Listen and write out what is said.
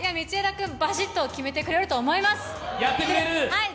君、バシッと決めてくれると思います。